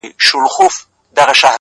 • زه د بـلا سـره خـبري كـوم؛